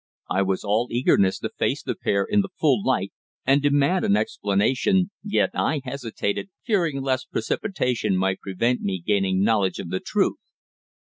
I was all eagerness to face the pair in the full light and demand an explanation, yet I hesitated, fearing lest precipitation might prevent me gaining knowledge of the truth.